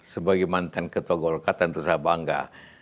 sebagai mantan ketua golkar tentu saya bangga